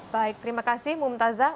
baik terima kasih mumtazah